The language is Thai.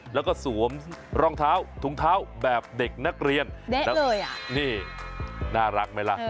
แล้วก็สวมรองเท้าถุงเท้าแบบเด็กนักเรียนเด๊ะเลยอ่ะนี่น่ารักไหมล่ะ